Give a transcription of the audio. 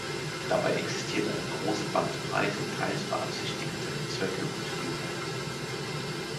Dabei existiert eine große Bandbreite teils beabsichtigter Zwecke und Wirkungen.